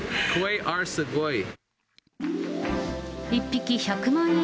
１匹１００万円